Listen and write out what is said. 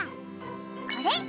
これ！